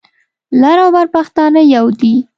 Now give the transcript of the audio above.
لر او بر پښتانه يو دي.